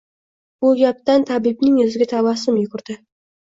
Bu gapdan tabibning yuziga tabassum yugurdi